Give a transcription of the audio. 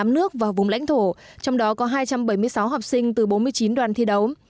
tám nước và vùng lãnh thổ trong đó có hai trăm bảy mươi sáu học sinh từ bốn mươi chín đoàn thi đấu